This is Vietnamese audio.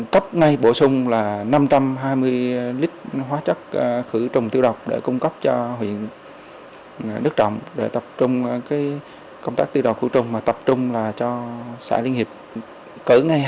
khi xuất hiện dịch tại huyện đức trọng tôi đã có chỉ đạo chuyển từ phương án phòng